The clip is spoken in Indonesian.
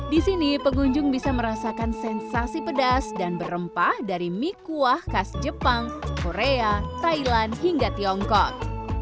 di sini pengunjung bisa merasakan sensasi pedas dan berempah dari mie kuah khas jepang korea thailand hingga tiongkok